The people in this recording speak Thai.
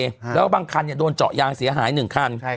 ถูกพ่นสเปรย์แล้วบางคันโดนเจาะยางเสียหาย๑คัน